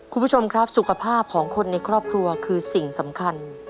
คุณผู้ชมครับสุขภาพของคนในครอบครัวคือสิ่งสำคัญ